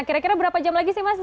kira kira berapa jam lagi sih mas